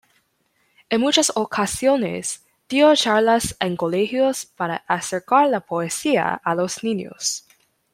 En muchas ocasiones dio charlas en colegios para acercar la poesía a los niños.